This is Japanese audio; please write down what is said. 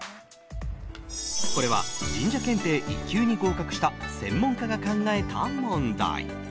これは神社検定壱級に合格した専門家が考えた問題。